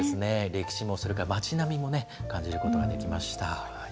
歴史も、それから町並みもね、感じることができました。